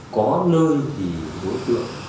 có nơi thì đối tượng